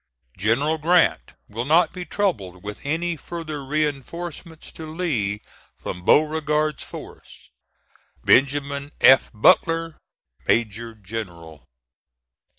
"General Grant will not be troubled with any further reinforcements to Lee from Beauregard's force. "BENJ. F. BUTLER, Major General."